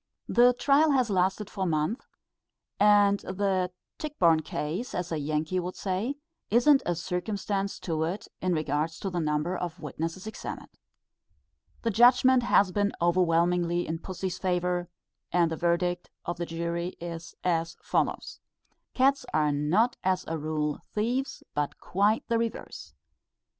The trial has lasted for months, and the Tichborne Case, as a Yankee would say, isn't a circumstance to it in regard to the number of witnesses examined. The judgment has been overwhelmingly in pussy's favour, and the verdict of the jury as follows: "_Cats are not as a rule thieves, but quite the reverse.